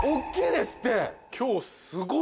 ＯＫですって。